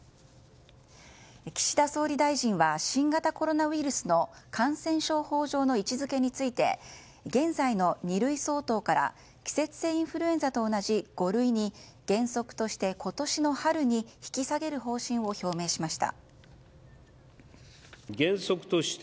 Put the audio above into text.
岸田総理大臣は新型コロナウイルスの感染症法上の位置づけについて現在の二類相当から季節性インフルエンザと同じ五類に原則として今年の春に引き下げる方針を表明しました。